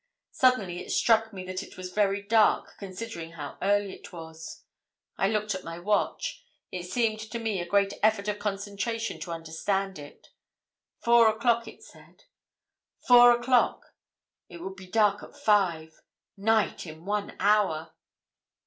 Suddenly it struck me that it was very dark, considering how early it was. I looked at my watch; it seemed to me a great effort of concentration to understand it. Four o'clock, it said. Four o'clock! It would be dark at five night in one hour!